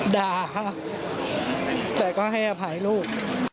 ด่าค่ะแต่ก็ให้อภัยลูก